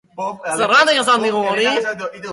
Zergatik esan digu hori?